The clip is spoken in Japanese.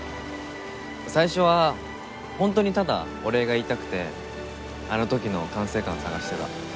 最初は本当にただお礼が言いたくてあの時の管制官を探してた。